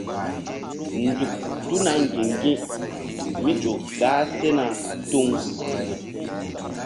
Nzuk tuna ŋgi̧ŋgi̧mí ƴo gah sena tuŋ.